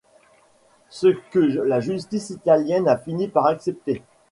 Ce que la justice italienne a fini par accepter.